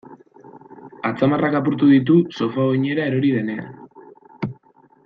Atzamarrak apurtu ditu sofa oinera erori denean.